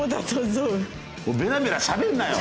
ベラベラしゃべんなよ！